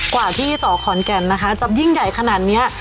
กว่าที่สอขอนแก่นนะคะจะยิ่งใหญ่ขนาดนี้